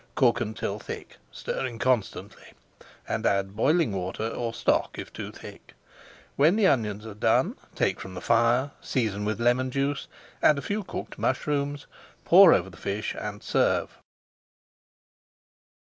Cook until thick, stirring constantly, and add boiling water or stock, if too thick. When the onions are done, take from the fire, season with lemon juice, add a few cooked mushrooms, pour over the fish, and serve.